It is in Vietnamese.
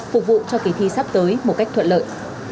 phục vụ cho kỳ thi sắp tới một cách thuận lợi